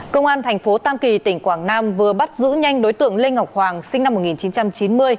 công an thành phố tam kỳ tỉnh quảng nam vừa bắt giữ nhanh đối tượng lê ngọc hoàng sinh năm một nghìn chín trăm chín mươi